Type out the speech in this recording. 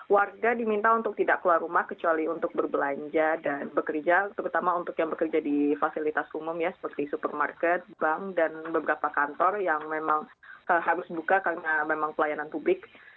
warga diminta untuk tidak keluar rumah kecuali untuk berbelanja dan bekerja terutama untuk yang bekerja di fasilitas umum ya seperti supermarket bank dan beberapa kantor yang memang harus buka karena memang pelayanan publik